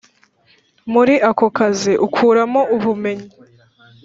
muri ako kazi ukuramo ubumenyi